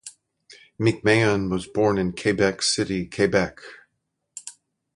McMahon was born in Quebec City, Quebec.